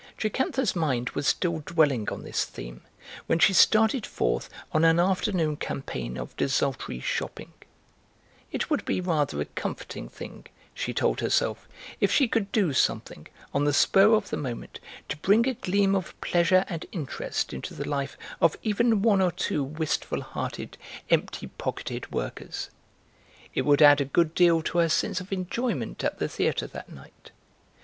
Jocantha's mind was still dwelling on this theme when she started forth on an afternoon campaign of desultory shopping; it would be rather a comforting thing, she told herself, if she could do something, on the spur of the moment, to bring a gleam of pleasure and interest into the life of even one or two wistful hearted, empty pocketed workers; it would add a good deal to her sense of enjoyment at the theatre that night.